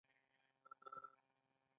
هماهنګي او رهبري هم د مدیریت برخې دي.